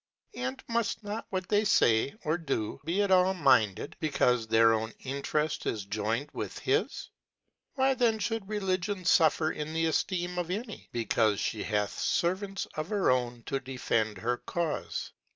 and muft not what they fay or do be at all minded, becaufe their own Intereft is joyned with his ? Why then (hould Religion fuifer in theefleem of 'any, becaufe the hath Servants of her own to defend her Caule